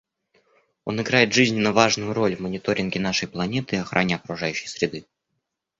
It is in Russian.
Он играет жизненно важную роль в мониторинге нашей планеты и охране окружающей среды.